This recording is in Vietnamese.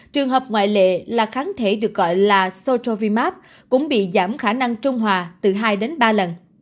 trường hợp ngoại lệ là kháng thể được gọi là sotovimap cũng bị giảm khả năng trung hòa từ hai đến ba lần